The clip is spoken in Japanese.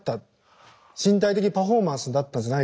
身体的パフォーマンスだったんじゃないか。